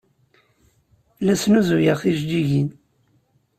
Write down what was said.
La snuzuyeɣ tijeǧǧigin.